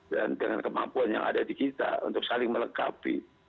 dan dengan kemampuan yang ada di kita untuk saling melengkapi